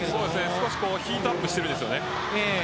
少しヒートアップしているんです。